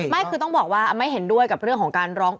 ไม่คือต้องบอกว่าไม่เห็นด้วยกับเรื่องของการร้อง